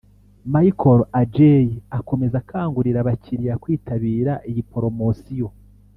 Michael Adjei akomeza akangurira abakiriya kwitabira iyi poromosiyo